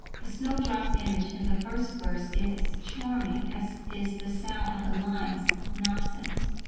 The snowdrop image in the first verse is, charming as is the sound of the lines, nonsense.